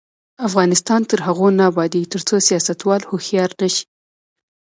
افغانستان تر هغو نه ابادیږي، ترڅو سیاستوال هوښیار نشي.